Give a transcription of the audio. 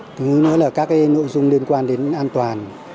thứ nữa là các nội dung liên quan đến an toàn